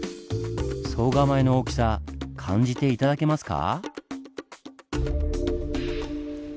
総構の大きさ感じて頂けますか？